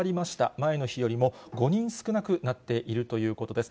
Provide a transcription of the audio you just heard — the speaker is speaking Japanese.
前の日よりも５人少なくなっているということです。